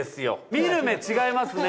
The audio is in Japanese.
見る目違いますね